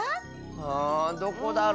あどこだろ？